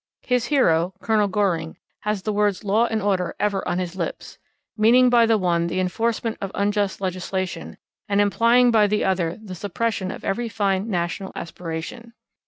His hero, Colonel Goring, has the words Law and Order ever on his lips, meaning by the one the enforcement of unjust legislation, and implying by the other the suppression of every fine national aspiration.